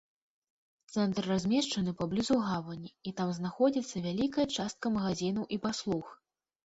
Цэнтр размешчаны паблізу гавані і там знаходзяцца вялікая частка магазінаў і паслуг.